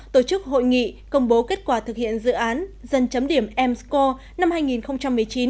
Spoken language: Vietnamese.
tổ chức hội nghị công bố kết quả thực hiện dự án dân chấm điểm m score năm hai nghìn một mươi chín